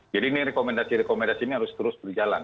jadi rekomendasi rekomendasi ini harus terus berjalan